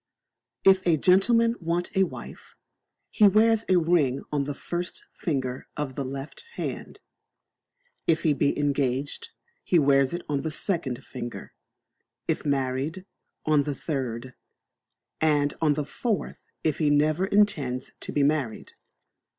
If a gentleman want a wife, he wears a ring on the first finger of the left hand; if he be engaged, he wears it on the second finger; if married, on the third; and on the fourth if he never intends to be married.